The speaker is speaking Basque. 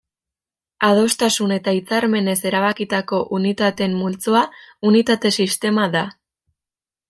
Adostasun eta hitzarmenez erabakitako unitateen multzoa unitate sistema da.